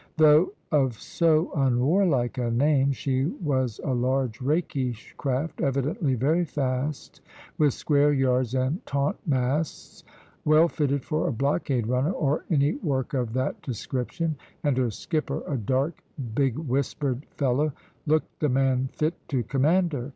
Though of so unwarlike a name, she was a large rakish craft, evidently very fast, with square yards and taunt masts, well fitted for a blockade runner or any work of that description; and her skipper, a dark, big whiskered fellow, looked the man fit to command her.